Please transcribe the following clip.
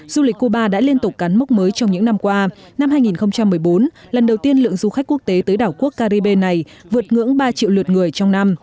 du lịch cuba đã liên tục cắn mốc mới trong những năm qua năm hai nghìn một mươi bốn lần đầu tiên lượng du khách quốc tế tới đảo quốc caribe này vượt ngưỡng ba triệu lượt người trong năm